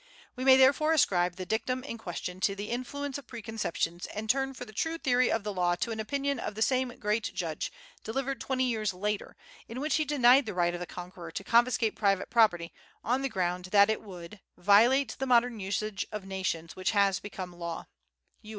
We may therefore ascribe the dictum in question to the influence of preconceptions, and turn for the true theory of the law to an opinion of the same great judge, delivered twenty years later, in which he denied the right of the conqueror to confiscate private property, on the ground that it would violate "the modern usage of nations, which has become law" (U.